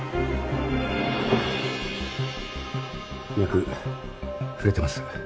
脈触れてます。